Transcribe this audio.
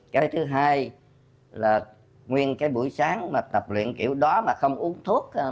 cái thứ hai là nguyên cái buổi sáng mà tập luyện kiểu đó mà không uống thuốc